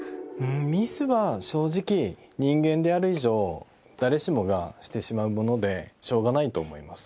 ミスは正直人間である以上誰しもがしてしまうものでしょうがないと思います